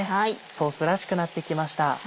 ソースらしくなってきました。